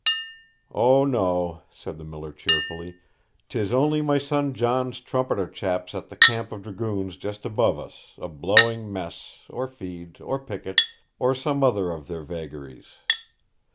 'O no,' said the miller cheerfully. ''Tis only my son John's trumpeter chaps at the camp of dragoons just above us, a blowing Mess, or Feed, or Picket, or some other of their vagaries.